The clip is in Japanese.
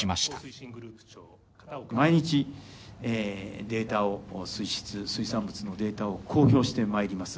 毎日、データを、水質、水産物のデータを公表してまいります。